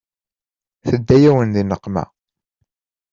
Tedda-yawen di nneqma.